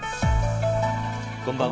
こんばんは。